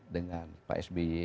dengan pak sby